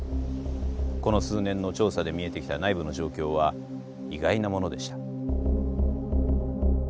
この数年の調査で見えてきた内部の状況は意外なものでした。